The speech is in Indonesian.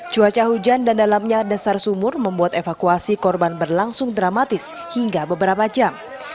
cuaca hujan dan dalamnya dasar sumur membuat evakuasi korban berlangsung dramatis hingga beberapa jam